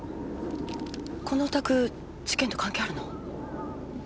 このお宅事件と関係あるの？